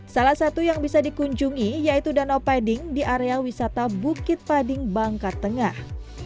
salah satu yang bisa dikunjungi yaitu danau pading di area wisata bukit pading bangka tengah